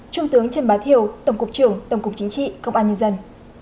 trung tướng trần bá thiều tổng cục trưởng tổng cục chính trị công an nhân dân